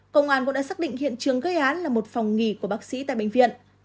công an cũng đã xác định hiện trường gây án là một phòng nghỉ của bác sĩ tại bệnh viện